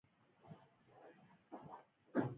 د رڼا رڼا هم د دوی په زړونو کې ځلېده.